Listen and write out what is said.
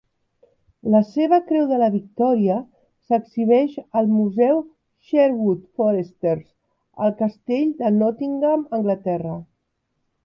La seva Creu de la Victòria s'exhibeix al Museu Sherwood Foresters, al Castell de Nottingham, Anglaterra.